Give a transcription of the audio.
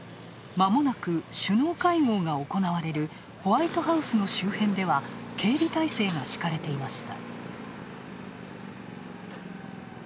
まもなく首脳会合が行われるホワイトハウスの周辺では警備態勢が敷かれていました。